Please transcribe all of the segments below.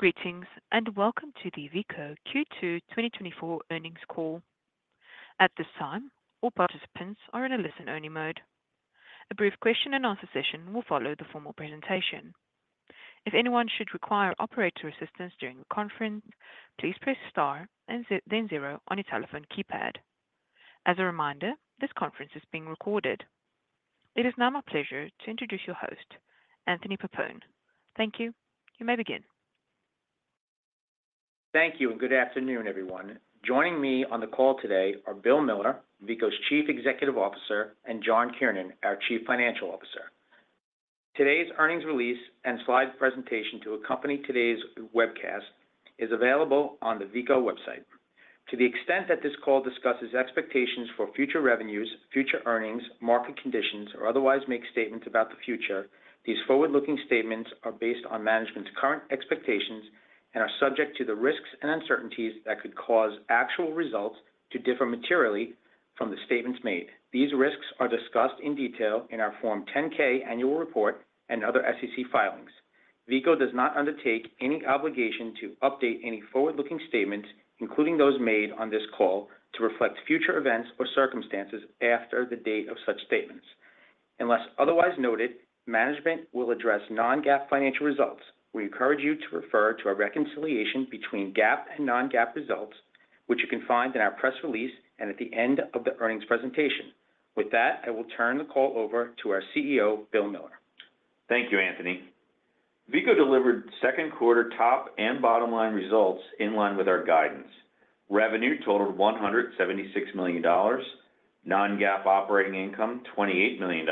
Greetings, and welcome to the Veeco Q2 2024 earnings call. At this time, all participants are in a listen-only mode. A brief question and answer session will follow the formal presentation. If anyone should require operator assistance during the conference, please press star and then zero on your telephone keypad. As a reminder, this conference is being recorded. It is now my pleasure to introduce your host, Anthony Peppone. Thank you. You may begin. Thank you, and good afternoon, everyone. Joining me on the call today are Bill Miller, Veeco's Chief Executive Officer, and John Kiernan, our Chief Financial Officer. Today's earnings release and slide presentation to accompany today's webcast is available on the Veeco website. To the extent that this call discusses expectations for future revenues, future earnings, market conditions, or otherwise makes statements about the future, these forward-looking statements are based on management's current expectations and are subject to the risks and uncertainties that could cause actual results to differ materially from the statements made. These risks are discussed in detail in our Form 10-K annual report and other SEC filings. Veeco does not undertake any obligation to update any forward-looking statements, including those made on this call, to reflect future events or circumstances after the date of such statements. Unless otherwise noted, management will address non-GAAP financial results. We encourage you to refer to our reconciliation between GAAP and non-GAAP results, which you can find in our press release and at the end of the earnings presentation. With that, I will turn the call over to our CEO, Bill Miller. Thank you, Anthony. Veeco delivered second quarter top and bottom line results in line with our guidance. Revenue totaled $176 million, non-GAAP operating income $28 million,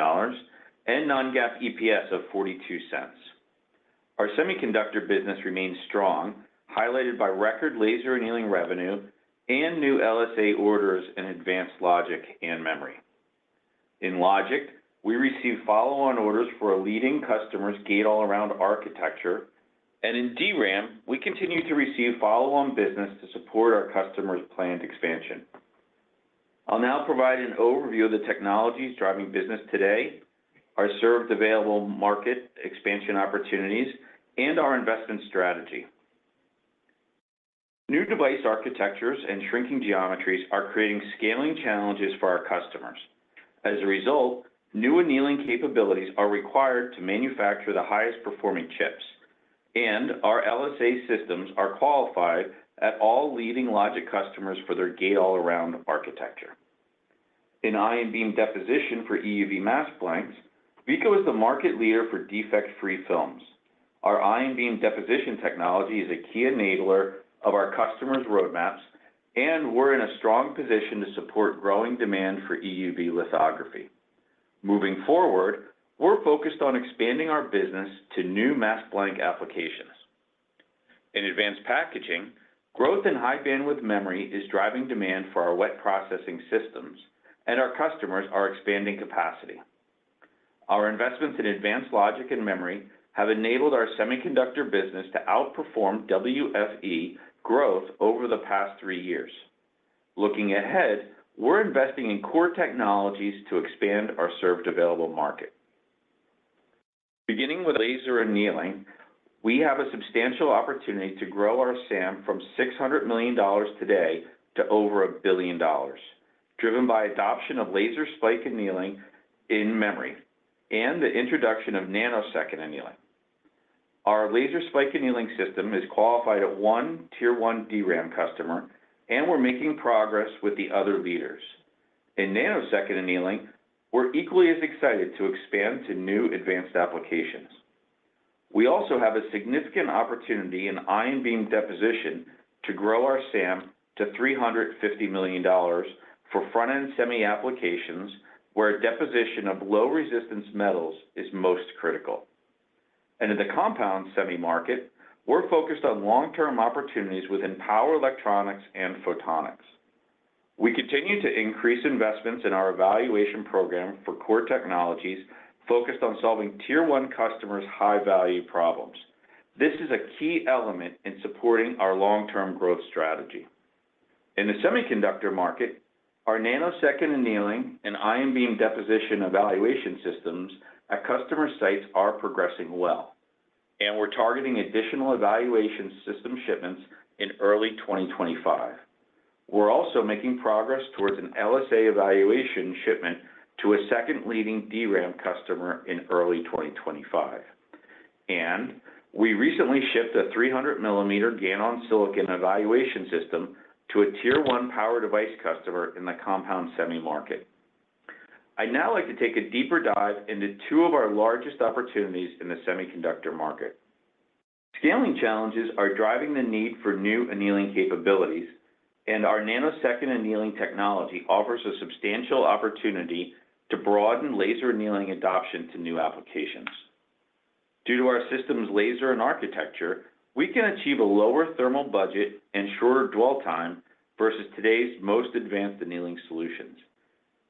and non-GAAP EPS of $0.42. Our semiconductor business remains strong, highlighted by record laser annealing revenue and new LSA orders in advanced logic and memory. In logic, we received follow-on orders for a leading customer's Gate-All-Around architecture, and in DRAM, we continue to receive follow-on business to support our customers' planned expansion. I'll now provide an overview of the technologies driving business today, our served available market expansion opportunities, and our investment strategy. New device architectures and shrinking geometries are creating scaling challenges for our customers. As a result, new annealing capabilities are required to manufacture the highest performing chips, and our LSA systems are qualified at all leading logic customers for their Gate-All-Around architecture. In ion beam deposition for EUV mask blanks, Veeco is the market leader for defect-free films. Our ion beam deposition technology is a key enabler of our customers' roadmaps, and we're in a strong position to support growing demand for EUV lithography. Moving forward, we're focused on expanding our business to new mask blank applications. In advanced packaging, growth in high-bandwidth memory is driving demand for our wet processing systems, and our customers are expanding capacity. Our investments in advanced logic and memory have enabled our semiconductor business to outperform WFE growth over the past three years. Looking ahead, we're investing in core technologies to expand our served available market. Beginning with laser annealing, we have a substantial opportunity to grow our SAM from $600 million today to over $1 billion, driven by adoption of laser spike annealing in memory and the introduction of nanosecond annealing. Our Laser Spike Annealing system is qualified at one Tier 1 DRAM customer, and we're making progress with the other leaders. In Nanosecond Annealing, we're equally as excited to expand to new advanced applications. We also have a significant opportunity in Ion Beam Deposition to grow our SAM to $350 million for front-end semi applications, where deposition of low-resistance metals is most critical. In the compound semi market, we're focused on long-term opportunities within power, electronics, and photonics. We continue to increase investments in our evaluation program for core technologies focused on solving Tier 1 customers' high-value problems. This is a key element in supporting our long-term growth strategy. In the semiconductor market, our Nanosecond Annealing and Ion Beam Deposition evaluation systems at customer sites are progressing well, and we're targeting additional evaluation system shipments in early 2025. We're also making progress towards an LSA evaluation shipment to a second leading DRAM customer in early 2025. We recently shipped a 300-millimeter GaN on Silicon evaluation system to a Tier 1 power device customer in the compound semi market. I'd now like to take a deeper dive into two of our largest opportunities in the semiconductor market. Scaling challenges are driving the need for new annealing capabilities, and our nanosecond annealing technology offers a substantial opportunity to broaden laser annealing adoption to new applications. Due to our system's laser and architecture, we can achieve a lower thermal budget and shorter dwell time versus today's most advanced annealing solutions.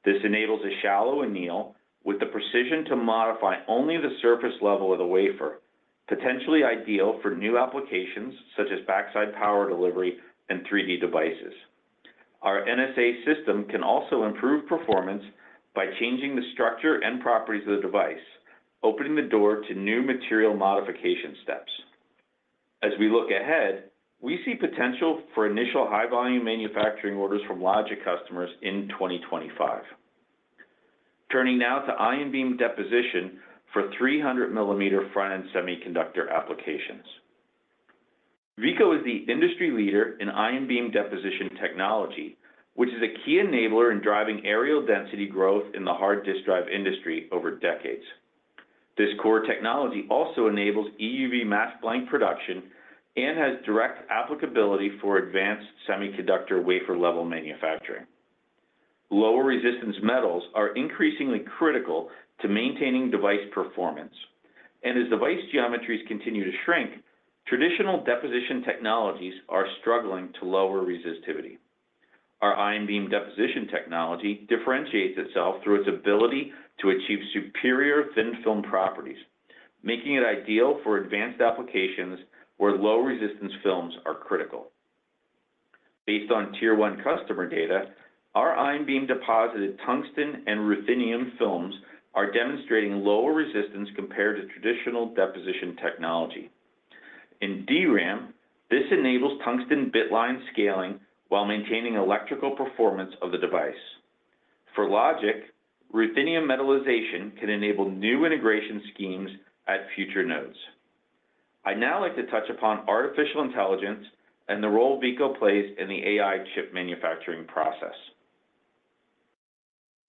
This enables a shallow anneal with the precision to modify only the surface level of the wafer, potentially ideal for new applications such as backside power delivery and 3D devices.... Our NSA system can also improve performance by changing the structure and properties of the device, opening the door to new material modification steps. As we look ahead, we see potential for initial high-volume manufacturing orders from logic customers in 2025. Turning now to ion beam deposition for 300 millimeter front-end semiconductor applications. Veeco is the industry leader in ion beam deposition technology, which is a key enabler in driving areal density growth in the hard disk drive industry over decades. This core technology also enables EUV mask blank production and has direct applicability for advanced semiconductor wafer-level manufacturing. Lower resistance metals are increasingly critical to maintaining device performance, and as device geometries continue to shrink, traditional deposition technologies are struggling to lower resistivity. Our ion beam deposition technology differentiates itself through its ability to achieve superior thin film properties, making it ideal for advanced applications where low resistance films are critical. Based on Tier 1 customer data, our ion beam deposited tungsten and ruthenium films are demonstrating lower resistance compared to traditional deposition technology. In DRAM, this enables tungsten bitline scaling while maintaining electrical performance of the device. For logic, ruthenium metallization can enable new integration schemes at future nodes. I'd now like to touch upon artificial intelligence and the role Veeco plays in the AI chip manufacturing process.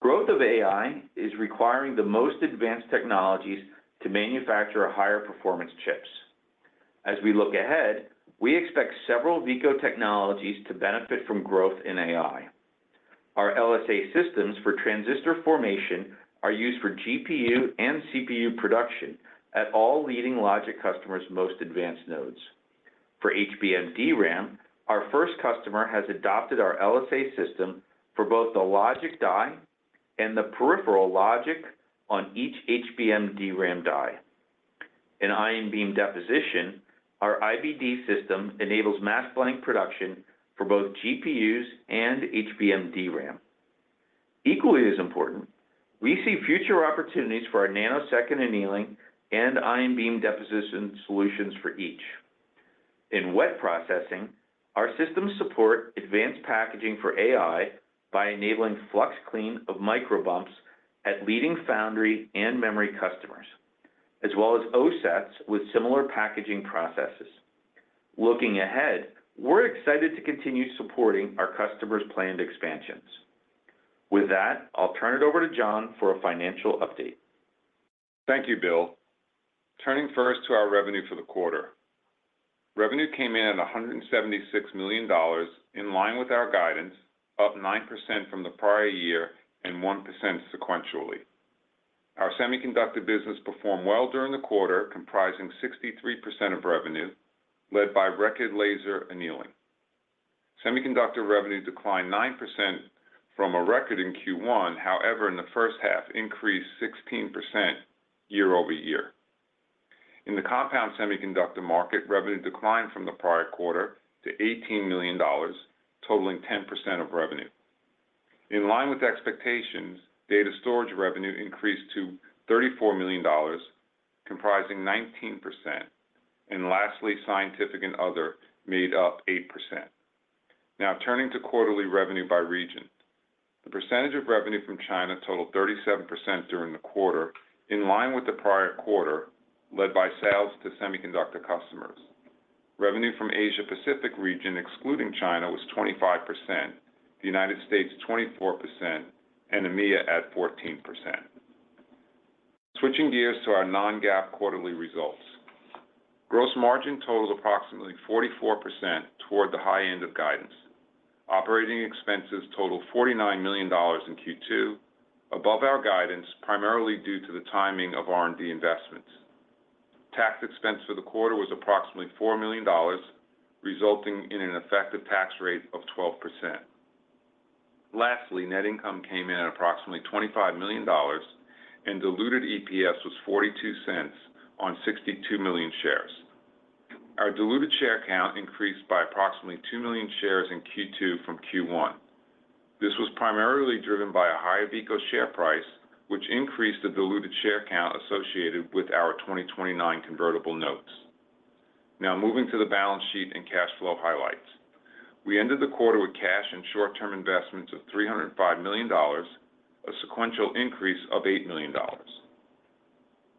Growth of AI is requiring the most advanced technologies to manufacture higher performance chips. As we look ahead, we expect several Veeco technologies to benefit from growth in AI. Our LSA systems for transistor formation are used for GPU and CPU production at all leading logic customers' most advanced nodes. For HBM DRAM, our first customer has adopted our LSA system for both the logic die and the peripheral logic on each HBM DRAM die. In ion beam deposition, our IBD system enables mask blank production for both GPUs and HBM DRAM. Equally as important, we see future opportunities for our nanosecond annealing and ion beam deposition solutions for each. In wet processing, our systems support advanced packaging for AI by enabling flux clean of microbumps at leading foundry and memory customers, as well as OSATs with similar packaging processes. Looking ahead, we're excited to continue supporting our customers' planned expansions. With that, I'll turn it over to John for a financial update. Thank you, Bill. Turning first to our revenue for the quarter. Revenue came in at $176 million, in line with our guidance, up 9% from the prior year and 1% sequentially. Our semiconductor business performed well during the quarter, comprising 63% of revenue, led by record laser annealing. Semiconductor revenue declined 9% from a record in Q1, however, in the first half, increased 16% year over year. In the compound semiconductor market, revenue declined from the prior quarter to $18 million, totaling 10% of revenue. In line with expectations, data storage revenue increased to $34 million, comprising 19%, and lastly, scientific and other made up 8%. Now, turning to quarterly revenue by region. The percentage of revenue from China totaled 37% during the quarter, in line with the prior quarter, led by sales to semiconductor customers. Revenue from Asia Pacific region, excluding China, was 25%, the United States, 24%, and EMEA at 14%. Switching gears to our non-GAAP quarterly results. Gross margin totaled approximately 44% toward the high end of guidance. Operating expenses totaled $49 million in Q2, above our guidance, primarily due to the timing of R&D investments. Tax expense for the quarter was approximately $4 million, resulting in an effective tax rate of 12%. Lastly, net income came in at approximately $25 million, and diluted EPS was $0.42 on 62 million shares. Our diluted share count increased by approximately 2 million shares in Q2 from Q1. This was primarily driven by a higher Veeco share price, which increased the diluted share count associated with our 2029 convertible notes. Now, moving to the balance sheet and cash flow highlights. We ended the quarter with cash and short-term investments of $305 million, a sequential increase of $8 million.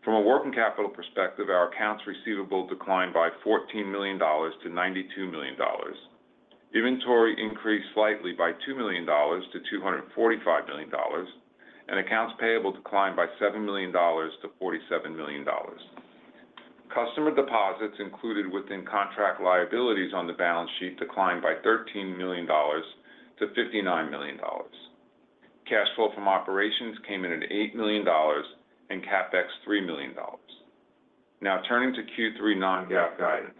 From a working capital perspective, our accounts receivable declined by $14 million-$92 million. Inventory increased slightly by $2 million-$245 million, and accounts payable declined by $7 million-$47 million. Customer deposits included within contract liabilities on the balance sheet declined by $13 million-$59 million. Cash flow from operations came in at $8 million, and CapEx, $3 million. Now turning to Q3 non-GAAP guidance.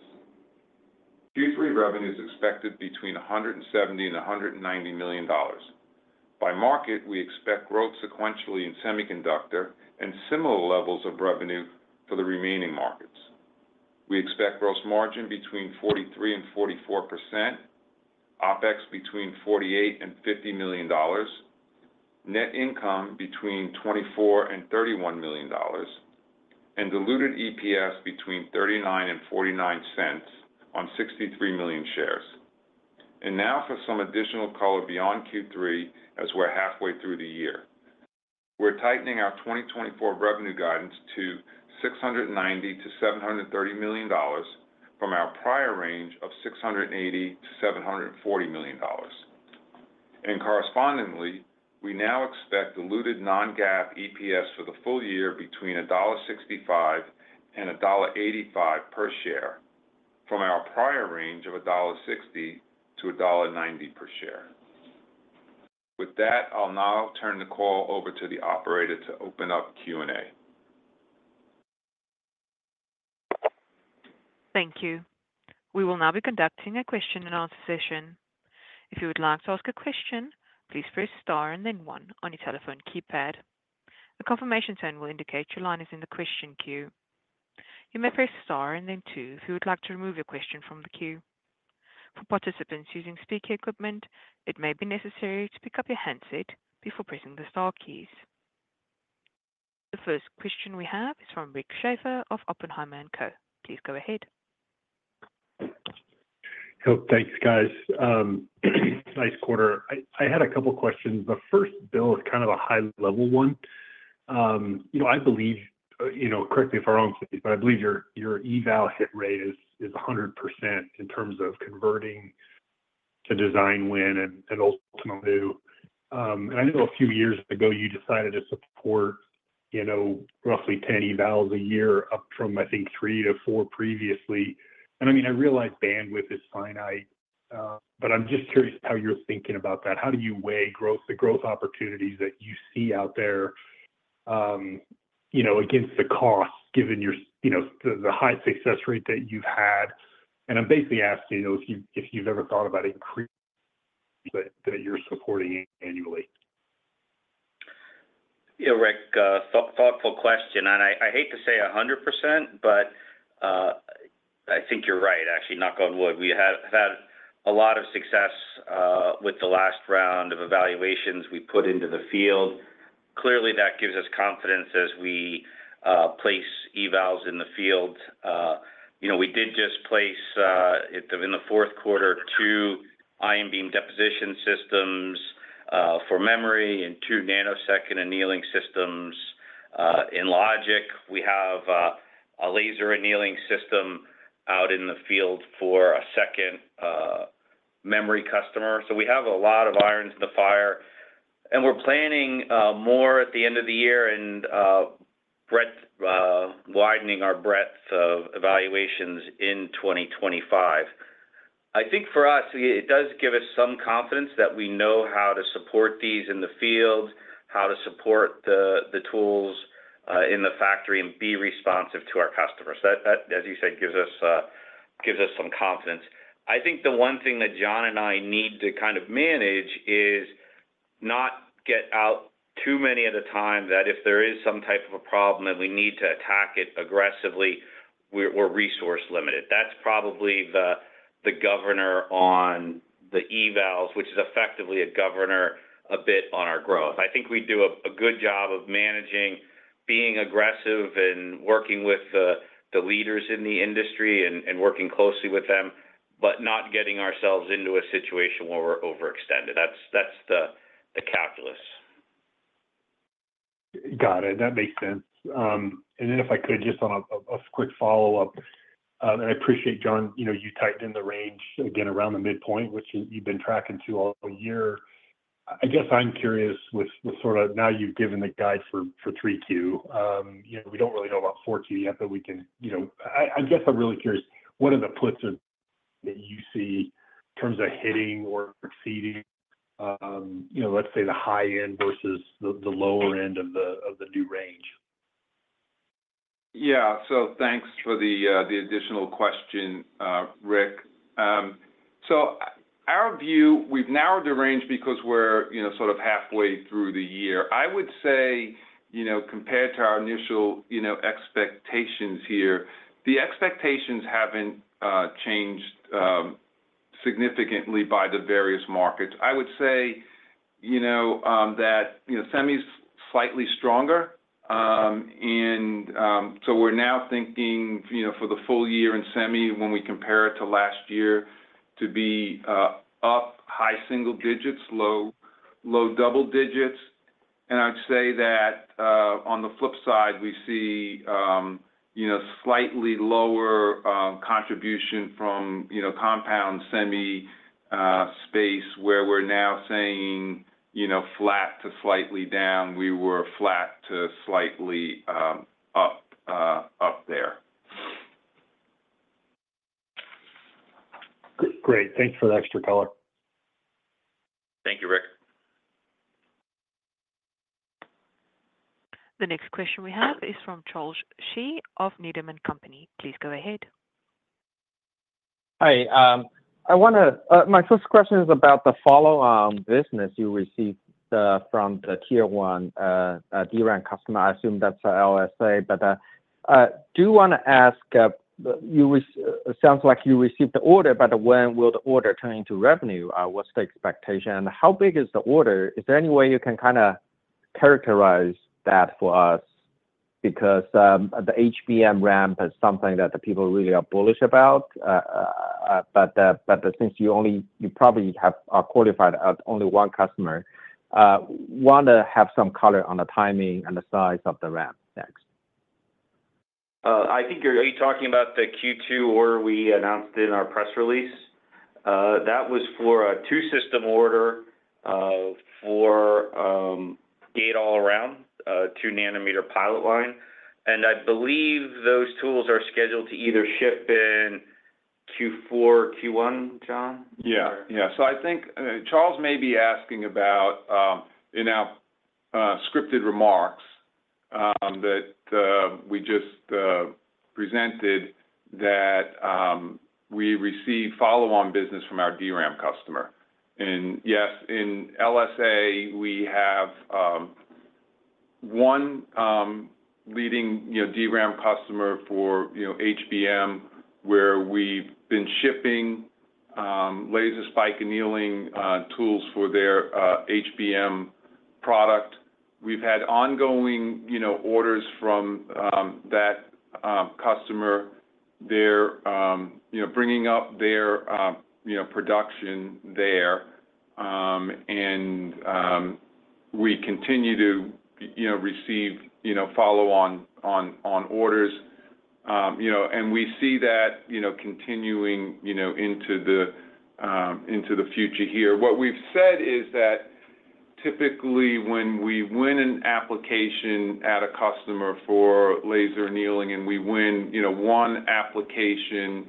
Q3 revenue is expected between $170 million and $190 million. By market, we expect growth sequentially in semiconductor and similar levels of revenue for the remaining markets. We expect gross margin between 43% and 44%, OpEx between $48 million and $50 million, net income between $24 million and $31 million, and diluted EPS between $0.39 and $0.49 on 63 million shares. And now for some additional color beyond Q3, as we're halfway through the year. We're tightening our 2024 revenue guidance to $690 million-$730 million from our prior range of $680 million-$740 million. And correspondingly, we now expect diluted non-GAAP EPS for the full year between $1.65-$1.85 per share from our prior range of $1.60-$1.90 per share. With that, I'll now turn the call over to the operator to open up Q&A. Thank you. We will now be conducting a question and answer session. If you would like to ask a question, please press star and then one on your telephone keypad. A confirmation tone will indicate your line is in the question queue. You may press star and then two if you would like to remove your question from the queue. For participants using speaker equipment, it may be necessary to pick up your handset before pressing the star keys. The first question we have is from Rick Schafer of Oppenheimer & Co. Please go ahead. Hello. Thanks, guys. Nice quarter. I had a couple of questions. The first, Bill, is kind of a high-level one. You know, I believe, you know, correctly for our own, but I believe your eval hit rate is 100% in terms of converting to design win and ultimately. And I know a few years ago, you decided to support, you know, roughly 10 evals a year up from, I think, 3-4 previously. And I mean, I realize bandwidth is finite, but I'm just curious how you're thinking about that. How do you weigh growth, the growth opportunities that you see out there, you know, against the cost, given your, you know, the high success rate that you've had? I'm basically asking, you know, if you've ever thought about increasing that you're supporting annually? Yeah, Rick, thoughtful question, and I hate to say 100%, but I think you're right. Actually, knock on wood. We have had a lot of success with the last round of evaluations we put into the field. Clearly, that gives us confidence as we place evals in the field. You know, we did just place it in the fourth quarter, two ion beam deposition systems for memory and two nanosecond annealing systems. In logic, we have a laser annealing system out in the field for a second memory customer. So we have a lot of irons in the fire, and we're planning more at the end of the year and widening our breadth of evaluations in 2025. I think for us, it does give us some confidence that we know how to support these in the field, how to support the tools in the factory and be responsive to our customers. That, as you said, gives us some confidence. I think the one thing that John and I need to kind of manage is not get out too many at a time, that if there is some type of a problem, that we need to attack it aggressively, we're resource-limited. That's probably the governor on the evals, which is effectively a governor, a bit on our growth. I think we do a good job of managing, being aggressive, and working with the leaders in the industry and working closely with them, but not getting ourselves into a situation where we're overextended. That's the calculus. Got it. That makes sense. And then if I could, just on a quick follow-up, and I appreciate, John, you know, you tightened the range again around the midpoint, which you've been tracking to all year. I guess I'm curious with sort of now you've given the guide for three Q, you know, we don't really know about four Q yet, but we can... You know, I guess I'm really curious, what are the puts that you see in terms of hitting or exceeding, you know, let's say the high end versus the lower end of the new range? Yeah. So thanks for the additional question, Rick. So our view, we've narrowed the range because we're, you know, sort of halfway through the year. I would say, you know, compared to our initial, you know, expectations here, the expectations haven't changed significantly by the markets. I would say, you know, that, you know, semi's slightly stronger. And so we're now thinking, you know, for the full year in semi, when we compare it to last year, to be up high single digits, low double digits. And I'd say that, on the flip side, we see, you know, slightly lower contribution from, you know, compound semi space, where we're now saying, you know, flat to slightly down, we were flat to slightly up there. Great. Thanks for the extra color. Thank you, Rick. ... The next question we have is from Charles Shi of Needham & Company. Please go ahead. Hi. I wonder, my first question is about the follow-on business you received from the Tier 1 DRAM customer. I assume that's LSA, but I do wanna ask, it sounds like you received the order, but when will the order turn into revenue? What's the expectation? And how big is the order? Is there any way you can kind of characterize that for us? Because the HBM ramp is something that the people really are bullish about. But since you only—you probably have qualified only one customer, I want to have some color on the timing and the size of the ramp next. I think, are you talking about the Q2 order we announced in our press release? That was for a two-system order for Gate-All-Around 2-nanometer pilot line, and I believe those tools are scheduled to either ship in Q4 or Q1, John? Yeah. Yeah. So I think Charles may be asking about in our scripted remarks that we just presented that we received follow-on business from our DRAM customer. And yes, in LSA, we have one leading you know DRAM customer for you know HBM where we've been shipping Laser Spike Annealing tools for their HBM product. We've had ongoing you know orders from that customer. They're you know bringing up their you know production there. And we continue to you know receive you know follow-on orders. You know and we see that you know continuing you know into the future here. What we've said is that typically when we win an application at a customer for laser annealing, and we win, you know, one application,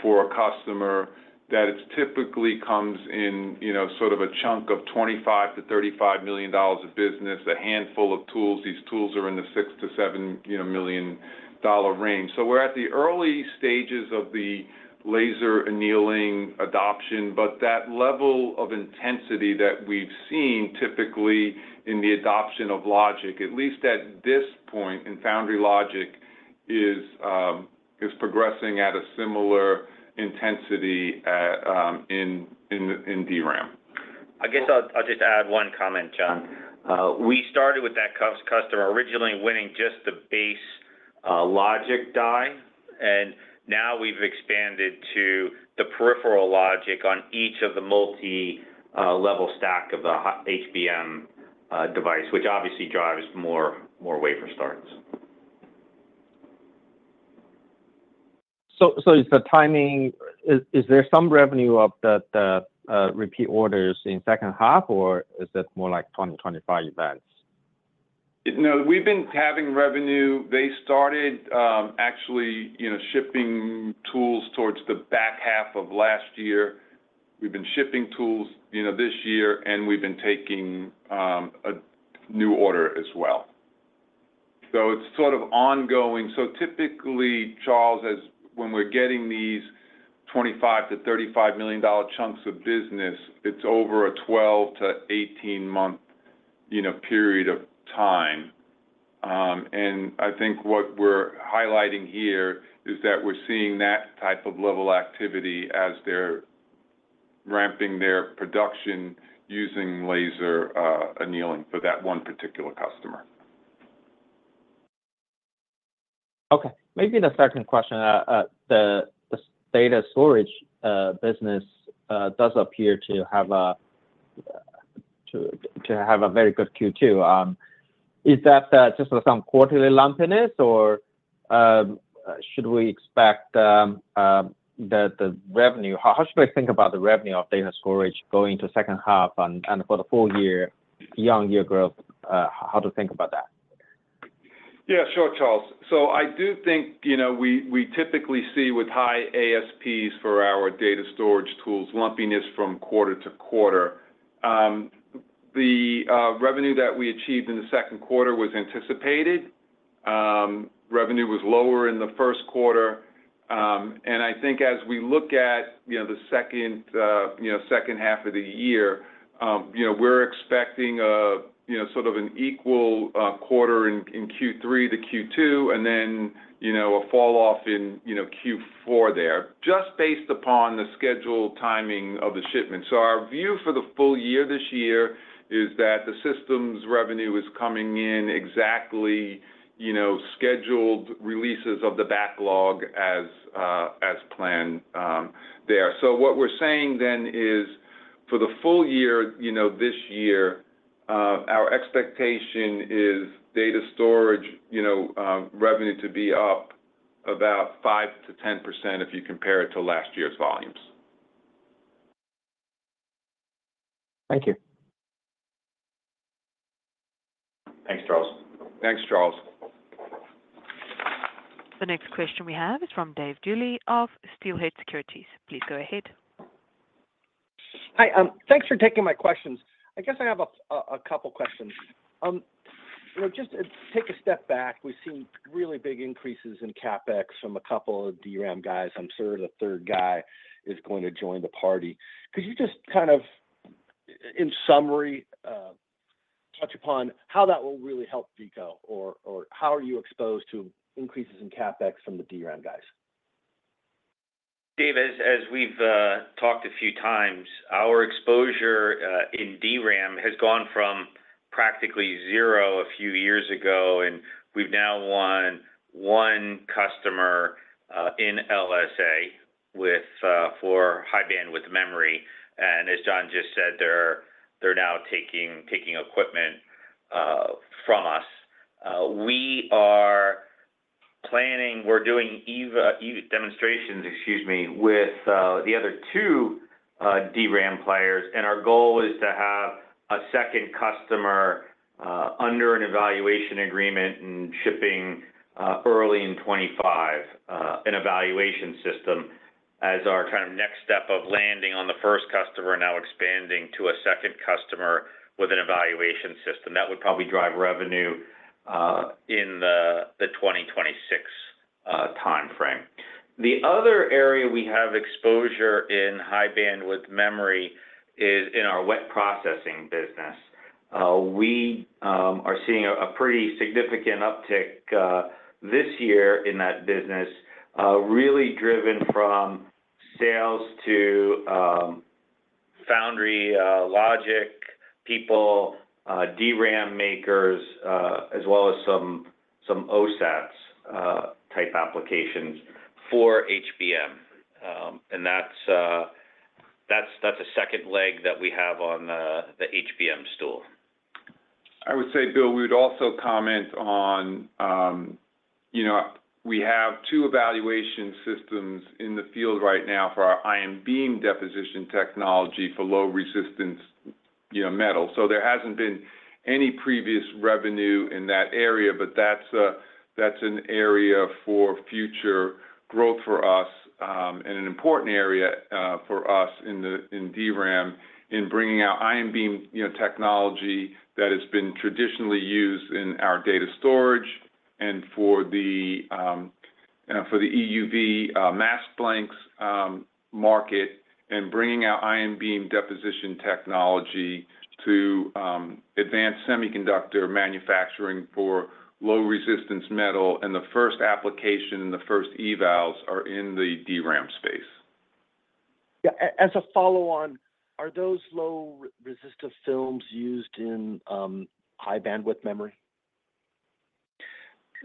for a customer, that it typically comes in, you know, sort of a chunk of $25 million-$35 million of business, a handful of tools. These tools are in the $6 million-$7 million, you know, range. So we're at the early stages of the laser annealing adoption, but that level of intensity that we've seen typically in the adoption of logic, at least at this point in foundry logic, is progressing at a similar intensity in DRAM. I guess I'll just add one comment, John. We started with that customer originally winning just the base logic die, and now we've expanded to the peripheral logic on each of the multi-level stack of the HBM device, which obviously drives more wafer starts. So, is there some revenue of the repeat orders in second half, or is it more like 20-25 events? No, we've been having revenue. They started, actually, you know, shipping tools towards the back half of last year. We've been shipping tools, you know, this year, and we've been taking a new order as well. So it's sort of ongoing. So typically, Charles, as when we're getting these $25 million-$35 million chunks of business, it's over a 12- to 18-month, you know, period of time. And I think what we're highlighting here is that we're seeing that type of level activity as they're ramping their production using laser annealing for that one particular customer. Okay. Maybe the second question, the data storage business does appear to have a very good Q2. Is that just some quarterly lumpiness, or should we expect the revenue? How should we think about the revenue of data storage going into second half and for the full year, year-on-year growth, how to think about that? Yeah, sure, Charles. So I do think, you know, we, we typically see with high ASPs for our data storage tools, lumpiness from quarter to quarter. The revenue that we achieved in the second quarter was anticipated. Revenue was lower in the first quarter. And I think as we look at, you know, the second half of the year, you know, we're expecting a sort of an equal quarter in Q3 to Q2, and then, you know, a fall off in Q4 there, just based upon the scheduled timing of the shipments. So our view for the full year this year is that the systems revenue is coming in exactly, you know, scheduled releases of the backlog as planned there. So what we're saying then is, for the full year, you know, this year, our expectation is data storage, you know, revenue to be up about 5%-10% if you compare it to last year's volumes. Thank you. Thanks, Charles. Thanks, Charles. The next question we have is from Dave Duley of Steelhead Securities. Please go ahead. Hi, thanks for taking my questions. I guess I have a couple questions. You know, just to take a step back, we've seen really big increases in CapEx from a couple of DRAM guys. I'm sure the third guy is going to join the party. Could you just kind of, in summary, touch upon how that will really help Veeco, or how are you exposed to increases in CapEx from the DRAM guys? Dave, as we've talked a few times, our exposure in DRAM has gone from practically zero a few years ago, and we've now won one customer in LSA with for high-bandwidth memory. As John just said, they're now taking equipment from us. We are planning. We're doing EUV demonstrations, excuse me, with the other two DRAM players, and our goal is to have a second customer under an evaluation agreement and shipping early in 2025 an evaluation system as our kind of next step of landing on the first customer, now expanding to a second customer with an evaluation system. That would probably drive revenue in the 2026 timeframe. The other area we have exposure in high-bandwidth memory is in our wet processing business. We are seeing a pretty significant uptick this year in that business, really driven from sales to foundry logic people, DRAM makers, as well as some OSATs type applications for HBM. And that's a second leg that we have on the HBM stool. I would say, Bill, we would also comment on, you know, we have two evaluation systems in the field right now for our ion beam deposition technology for low resistance, you know, metal. So there hasn't been any previous revenue in that area, but that's an area for future growth for us, and an important area, for us in the, in DRAM, in bringing out ion beam, you know, technology that has been traditionally used in our data storage and for the, for the EUV mask blanks market, and bringing out ion beam deposition technology to, advance semiconductor manufacturing for low resistance metal, and the first application and the first evals are in the DRAM space. Yeah. As a follow-on, are those low resistive films used in high-bandwidth memory?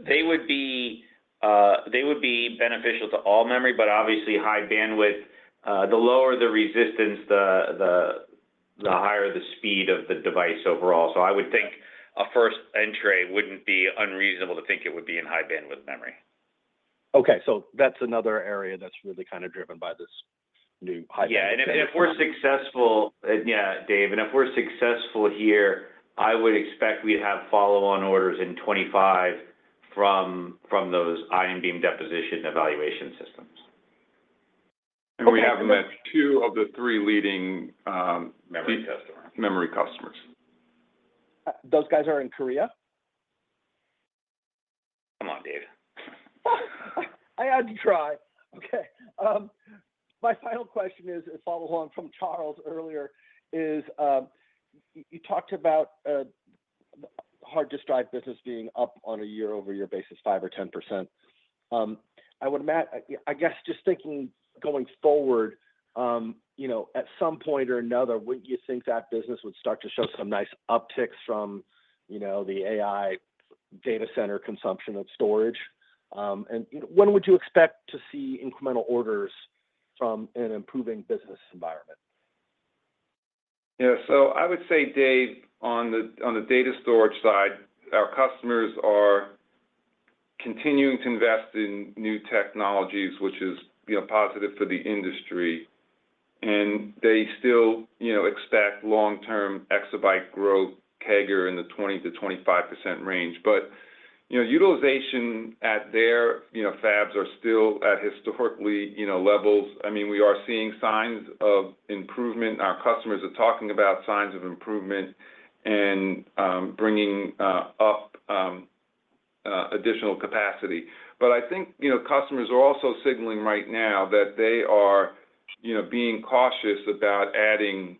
They would be beneficial to all memory, but obviously high bandwidth. The lower the resistance, the higher the speed of the device overall. So I would think a first entry wouldn't be unreasonable to think it would be in high-bandwidth memory. Okay. So that's another area that's really kind of driven by this new high-bandwidth memory. Yeah. And if we're successful... Yeah, Dave, and if we're successful here, I would expect we'd have follow-on orders in 2025 from those Ion Beam Deposition evaluation systems. We have them at two of the three leading, Memory customers... memory customers. Those guys are in Korea? Come on, Dave. I had to try. Okay, my final question is a follow-on from Charles earlier. You talked about hard disk drive business being up on a year-over-year basis, 5%-10%. I guess just thinking going forward, you know, at some point or another, would you think that business would start to show some nice upticks from, you know, the AI data center consumption of storage? And, you know, when would you expect to see incremental orders from an improving business environment? Yeah. So I would say, Dave, on the data storage side, our customers are continuing to invest in new technologies, which is, you know, positive for the industry, and they still, you know, expect long-term exabyte growth CAGR in the 20%-25% range. But, you know, utilization at their, you know, fabs are still at historically, you know, levels. I mean, we are seeing signs of improvement, and our customers are talking about signs of improvement and bringing up additional capacity. But I think, you know, customers are also signaling right now that they are, you know, being cautious about adding,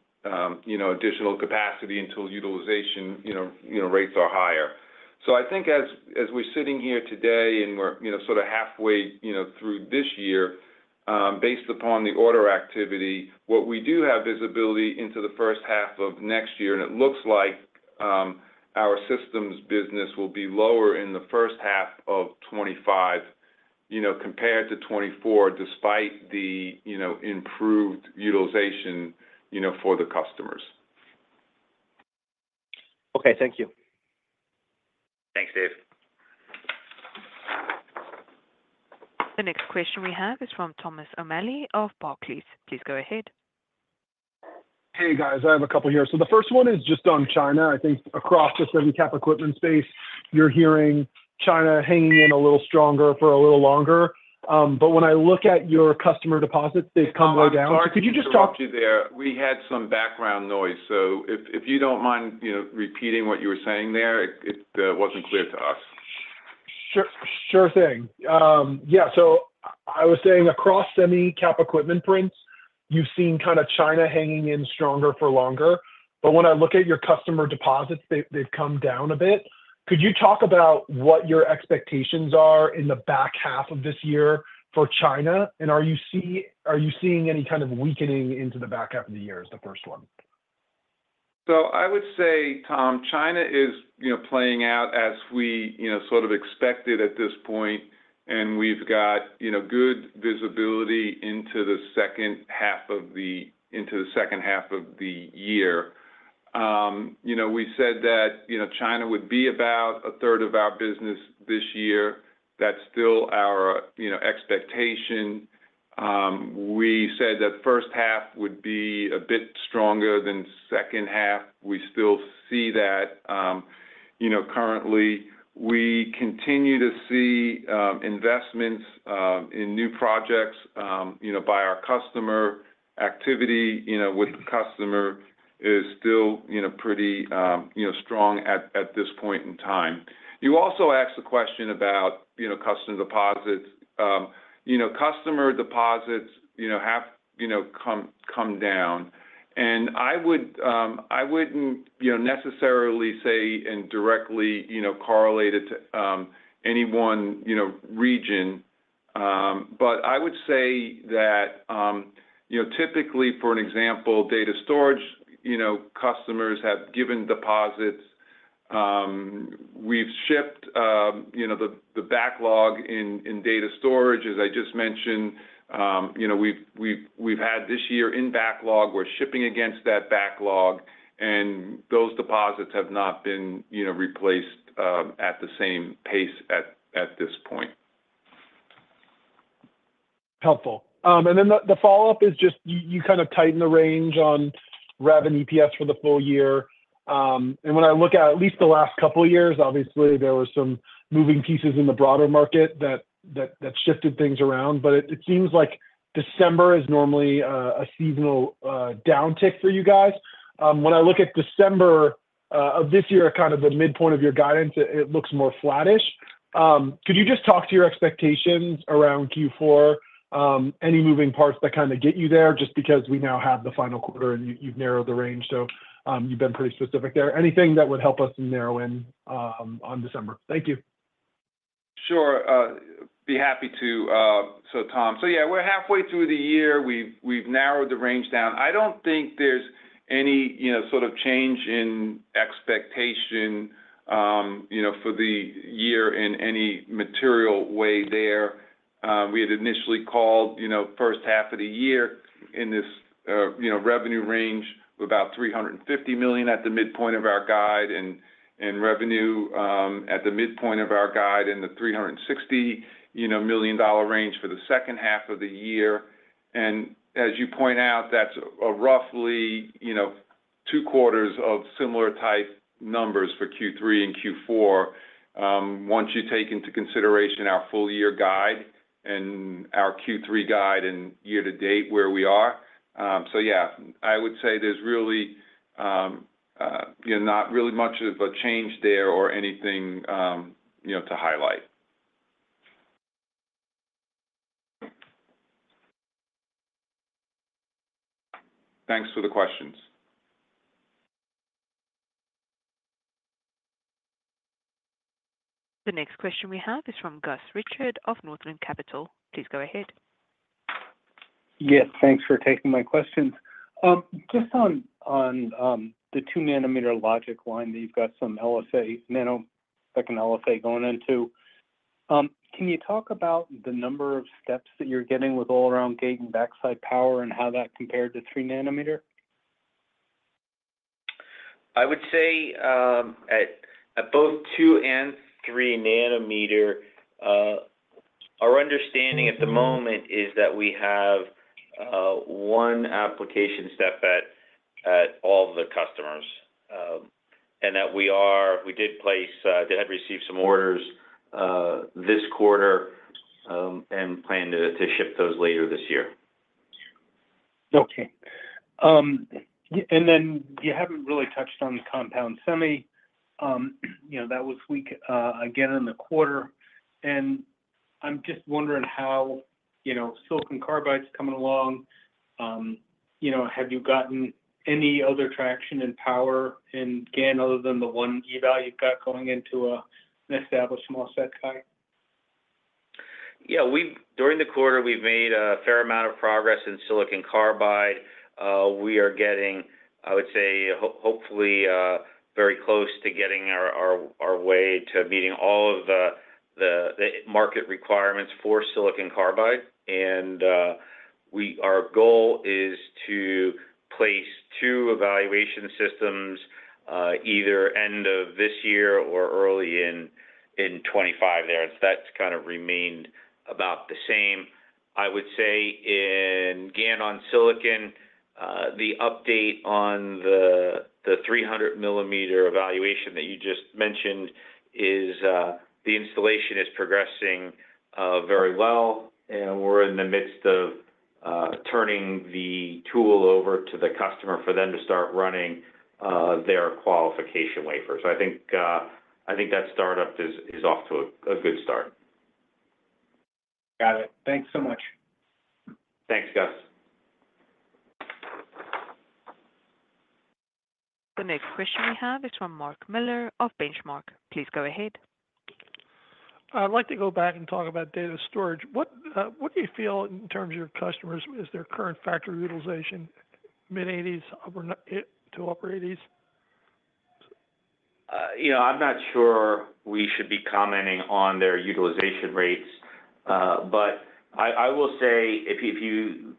you know, additional capacity until utilization, you know, rates are higher. So I think as we're sitting here today and we're, you know, sort of halfway, you know, through this year, based upon the order activity, what we do have visibility into the first half of next year, and it looks like our systems business will be lower in the first half of 2025, you know, compared to 2024, despite the, you know, improved utilization, you know, for the customers. Okay. Thank you. Thanks, Dave. The next question we have is from Thomas O'Malley of Barclays. Please go ahead. ... Hey, guys, I have a couple here. So the first one is just on China. I think across the semi cap equipment space, you're hearing China hanging in a little stronger for a little longer. But when I look at your customer deposits, they've come down. Could you just talk- Sorry to interrupt you there. We had some background noise, so if you don't mind, you know, repeating what you were saying there, it wasn't clear to us. Sure, sure thing. Yeah, so I was saying across semi cap equipment prints, you've seen kind of China hanging in stronger for longer. But when I look at your customer deposits, they've, they've come down a bit. Could you talk about what your expectations are in the back half of this year for China? And are you seeing any kind of weakening into the back half of the year, is the first one? So I would say, Tom, China is, you know, playing out as we, you know, sort of expected at this point, and we've got, you know, good visibility into the second half of the year. You know, we said that, you know, China would be about a third of our business this year. That's still our, you know, expectation. We said that first half would be a bit stronger than second half. We still see that, you know, currently. We continue to see investments in new projects, you know, by our customer. Activity, you know, with the customer is still, you know, pretty strong at this point in time. You also asked a question about, you know, customer deposits. You know, customer deposits, you know, have, you know, come down. I would, I wouldn't, you know, necessarily say, and directly, you know, correlate it to, any one, you know, region, but I would say that, you know, typically, for an example, data storage, you know, customers have given deposits. We've shipped, you know, the backlog in data storage, as I just mentioned. You know, we've had this year in backlog, we're shipping against that backlog, and those deposits have not been, you know, replaced, at the same pace at this point. Helpful. And then the follow-up is just you kind of tightened the range on rev and EPS for the full year. And when I look at least the last couple of years, obviously there were some moving pieces in the broader market that shifted things around, but it seems like December is normally a seasonal downtick for you guys. When I look at December of this year, kind of the midpoint of your guidance, it looks more flattish. Could you just talk to your expectations around Q4, any moving parts that kind of get you there, just because we now have the final quarter, and you've narrowed the range, so you've been pretty specific there. Anything that would help us narrow in on December? Thank you. Sure. Be happy to, so Tom. So yeah, we're halfway through the year. We've narrowed the range down. I don't think there's any, you know, sort of change in expectation, you know, for the year in any material way there. We had initially called, you know, first half of the year in this, you know, revenue range of about $350 million at the midpoint of our guide and revenue at the midpoint of our guide in the $360 million dollar range for the second half of the year. And as you point out, that's a roughly, you know, two quarters of similar type numbers for Q3 and Q4. Once you take into consideration our full year guide and our Q3 guide and year to date where we are. So yeah, I would say there's really, you know, not really much of a change there or anything, you know, to highlight. Thanks for the questions. The next question we have is from Gus Richard of Northland Capital. Please go ahead. Yes, thanks for taking my questions. Just on the 2-nanometer logic line that you've got some LSA, nanosecond LSA going into, can you talk about the number of steps that you're getting with gate-all-around and backside power and how that compared to 3-nanometer? I would say, at both 2- and 3-nanometer, our understanding at the moment is that we have 1 application step at all the customers, and that we did receive some orders this quarter, and plan to ship those later this year. Okay. And then you haven't really touched on the compound semi. You know, that was weak again in the quarter, and I'm just wondering how, you know, Silicon Carbide is coming along. You know, have you gotten any other traction in power in GaN other than the one eval you've got going into an established small set time? Yeah, during the quarter, we've made a fair amount of progress in silicon carbide. We are getting, I would say, hopefully, very close to getting our way to meeting all of the market requirements for silicon carbide. Our goal is to place 2 evaluation systems. ... either end of this year or early in 2025 there. That's kind of remained about the same. I would say in GaN on Silicon, the update on the 300-millimeter evaluation that you just mentioned is, the installation is progressing very well, and we're in the midst of turning the tool over to the customer for them to start running their qualification wafers. So I think that startup is off to a good start. Got it. Thanks so much. Thanks, Gus. The next question we have is from Mark Miller of Benchmark. Please go ahead. I'd like to go back and talk about data storage. What, what do you feel in terms of your customers, is their current factory utilization, mid-80s%, upper to upper 80s%? You know, I'm not sure we should be commenting on their utilization rates. But I will say if you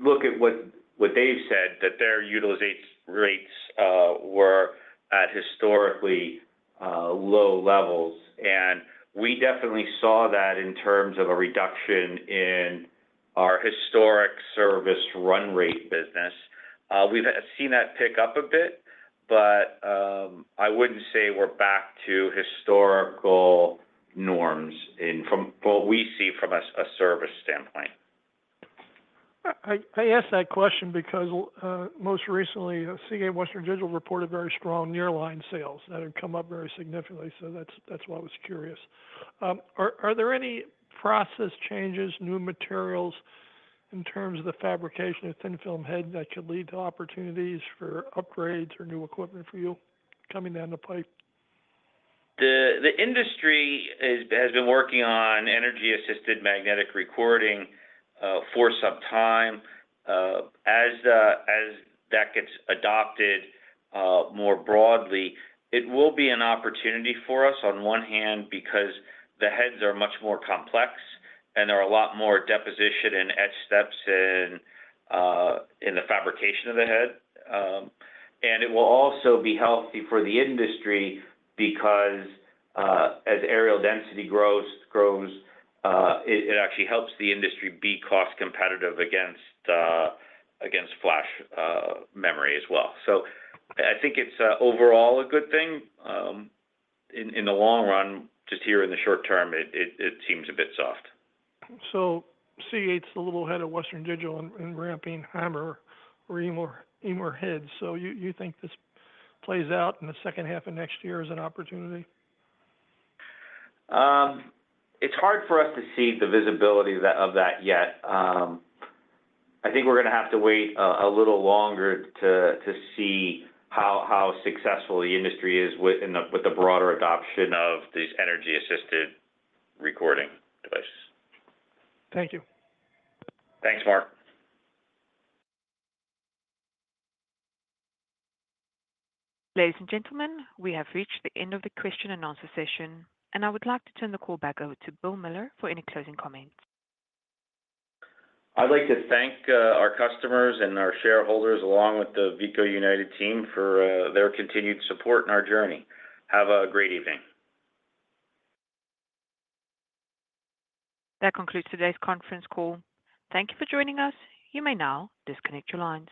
look at what they've said, that their utilization rates were at historically low levels, and we definitely saw that in terms of a reduction in our historic service run rate business. We've seen that pick up a bit, but I wouldn't say we're back to historical norms from what we see from a service standpoint. I asked that question because most recently, Seagate, Western Digital reported very strong nearline sales that have come up very significantly. So that's why I was curious. Are there any process changes, new materials in terms of the fabrication of thin-film head that could lead to opportunities for upgrades or new equipment for you coming down the pipe? The industry has been working on Energy-Assisted Magnetic Recording for some time. As that gets adopted more broadly, it will be an opportunity for us on one hand, because the heads are much more complex, and there are a lot more deposition and etch steps in the fabrication of the head. And it will also be healthy for the industry because as areal density grows, it actually helps the industry be cost competitive against flash memory as well. So I think it's overall a good thing in the long run, just here in the short term it seems a bit soft. So Seagate's a little ahead of Western Digital in ramping HAMR or MAMR, MAMR heads. So you think this plays out in the second half of next year as an opportunity? It's hard for us to see the visibility of that, yet. I think we're gonna have to wait a little longer to see how successful the industry is with the broader adoption of these energy-assisted recording devices. Thank you. Thanks, Mark. Ladies and gentlemen, we have reached the end of the question and answer session, and I would like to turn the call back over to Bill Miller for any closing comments. I'd like to thank our customers and our shareholders, along with the Veeco United team, for their continued support in our journey. Have a great evening. That concludes today's conference call. Thank you for joining us. You may now disconnect your line.